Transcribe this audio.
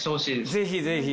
ぜひぜひ。